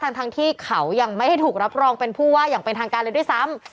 ทั้งที่เขายังไม่ได้ถูกรับรองเป็นผู้ว่าอย่างเป็นทางการเลยด้วยซ้ำ